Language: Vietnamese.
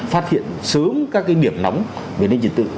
phát hiện sớm các cái điểm nóng về nền dịch tự